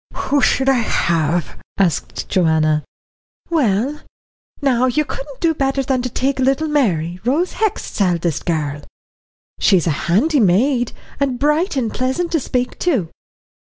"Who should I have?" asked Joanna. "Well, now, you couldn't do better than take little Mary, Rose Hext's eldest girl. She's a handy maid, and bright and pleasant to speak to."